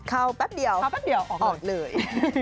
ข้าวปั๊บเดี่ยวออกเลย